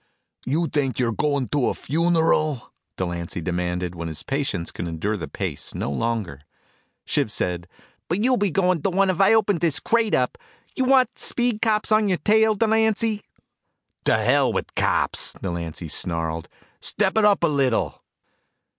"You think you're going to a funeral?" Delancy demanded when his patience could endure the pace no longer. Shiv said, "But you'll be goin' to one if I open dis crate up. You want speed cops on your tail, Delancy?" "To hell with the cops," Delancy snarled. "Step it up a little."